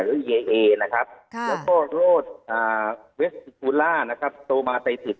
แล้วก็โรคเอ่อเวสซ์ฟูลล่านะครับโซมาไตสิต